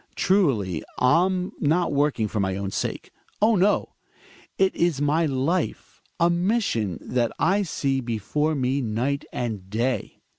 Truly, I'm not working for my own sake. Oh, no ! It is my life — a mission that I see before me night and day.